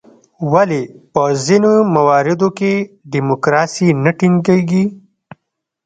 ولې په ځینو مواردو کې ډیموکراسي نه ټینګیږي؟